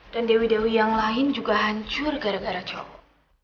dan dewi dewi yang lain juga hancur gara gara cowok